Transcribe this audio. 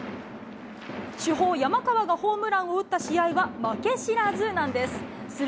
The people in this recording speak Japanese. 主砲、山川がホームランを打った試合は負け知らずなんです。